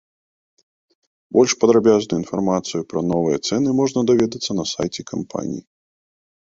Больш падрабязную інфармацыю пра новыя цэны можна даведацца на сайце кампаніі.